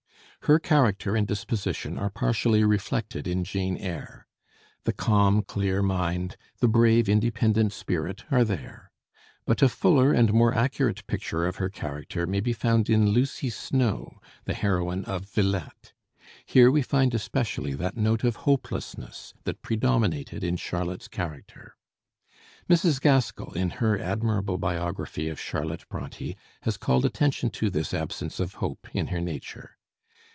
Her character and disposition are partially reflected in 'Jane Eyre.' The calm, clear mind, the brave, independent spirit are there. But a fuller and more accurate picture of her character may be found in Lucy Snowe, the heroine of 'Villette.' Here we find especially that note of hopelessness that predominated in Charlotte's character. Mrs. Gaskell, in her admirable biography of Charlotte Bronté, has called attention to this absence of hope in her nature.